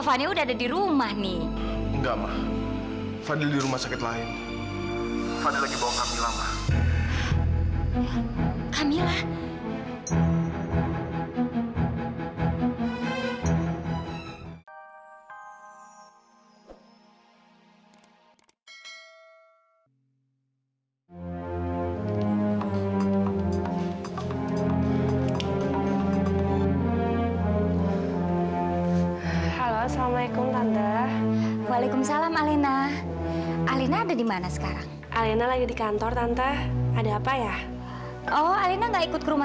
sampai jumpa di video selanjutnya